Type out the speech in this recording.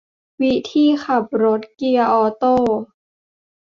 วิธีขับรถเกียร์ออโต้